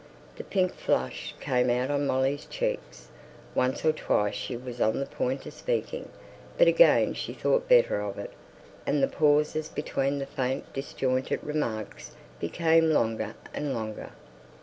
The pink flush came out on Molly's cheeks; once or twice she was on the point of speaking, but again she thought better of it; and the pauses between their faint disjointed remarks became longer and longer.